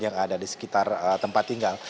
yang ada di sekitar tempat tinggal